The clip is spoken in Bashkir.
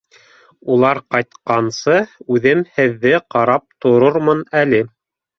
Улар ҡайтҡансы үҙем һеҙҙе ҡарап торормон әле.